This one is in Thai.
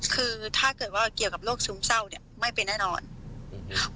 คือถ้าเกิดว่าเกี่ยวกับโรคซึมเศร้าเนี่ยไม่เป็นแน่นอนครับ